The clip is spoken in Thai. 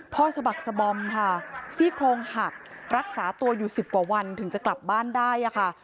สะบักสบอมค่ะซี่โครงหักรักษาตัวอยู่๑๐กว่าวันถึงจะกลับบ้านได้ค่ะ